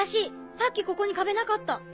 さっきここに壁なかった！